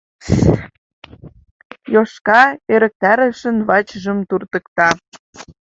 Йошка ӧрыктарышын вачыжым туртыкта.